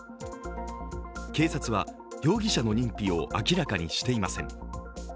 警察は容疑者の認否を明らかにしていません。